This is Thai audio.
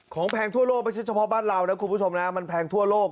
แพงทั่วโลกไม่ใช่เฉพาะบ้านเรานะคุณผู้ชมนะมันแพงทั่วโลก